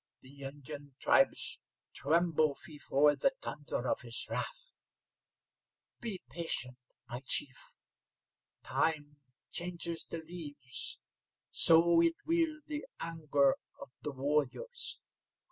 The Indian tribes tremble before the thunder of his wrath. Be patient, my chief. Time changes the leaves, so it will the anger of the warriors.